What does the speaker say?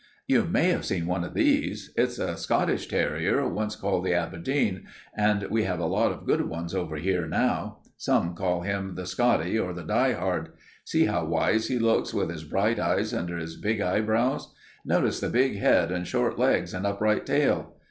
"You may have seen one of these. It's a Scottish terrier, once called the Aberdeen, and we have a lot of good ones over here now. Some call him the Scottie or the die hard. See how wise he looks, with his bright eyes under his big eyebrows. Notice the big head and short legs and upright tail.